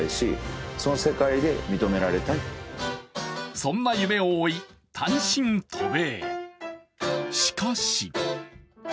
そんな夢を追い、単身渡米。